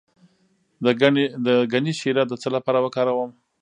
د ګني شیره د څه لپاره وکاروم؟